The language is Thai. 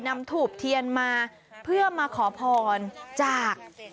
ถูบเทียนมาเพื่อมาขอพรจาก